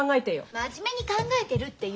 真面目に考えてるって言ったでしょ。